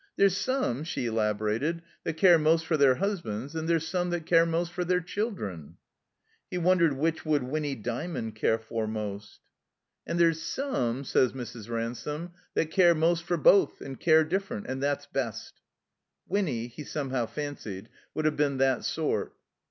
There's some," she elaborated, "that care most for their 'usbands, and there's some that care most for their children." (He wondered which would Winny Dymond care for most?) "And there's some," said Mrs. Ransome, "that care most for both, and care different, and that's best." (Winny, he somehow fancied, would have been that sort.)